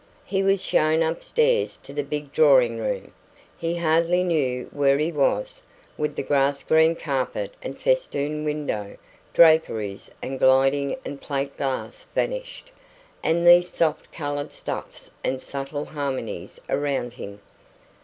He was shown upstairs to the big drawing room. He hardly knew where he was, with the grass green carpet and festooned window draperies and gilding and plate glass vanished, and these soft coloured stuffs and subtle harmonies around him.